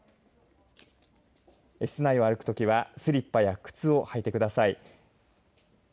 室内は歩くときはスリッパや靴を履いてください。